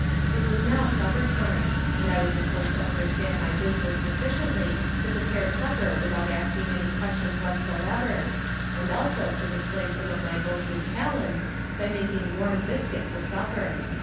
It was now supper time, and I was supposed to understand my business sufficiently to prepare supper without asking any questions whatever, and also to display some of my boasted talents by making warm biscuit for supper.